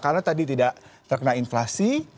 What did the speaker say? karena tadi tidak terkena inflasi